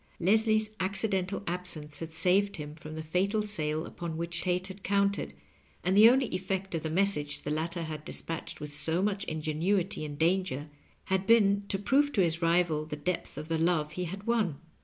Leslie's accidental absence had saved him from the fatal sale upon which Tate had counted, and the only effect of the message the latter had dispatched with so much ingenuity and danger bad been to prove to his rival the depth of the love he had won.